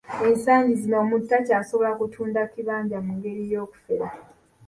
Ensangi zino omuntu takyasobola kutunda kibanja mu ngeri y'okufera.